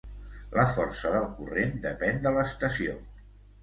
La força del corrent depèn de l'estació.